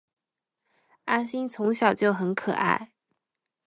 阿梓从小就很可爱